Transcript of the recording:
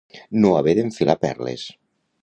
No haver d'enfilar perles.